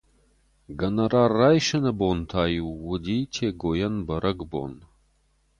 Гонорар райсыны бон та-иу уыди Тегойӕн бӕрӕгбон.